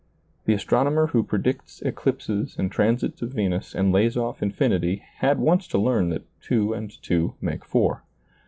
The astronomer who predicts eclipses and transits' of Venus and lays off infinity had once to learn that two and two make four.